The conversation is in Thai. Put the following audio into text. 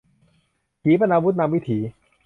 ขีปนาวุธนำวิถี